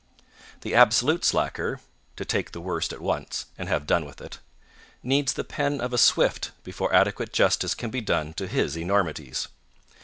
The absolute slacker (to take the worst at once, and have done with it) needs the pen of a Swift before adequate justice can be done to his enormities.